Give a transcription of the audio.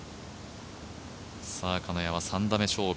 金谷は３打目勝負。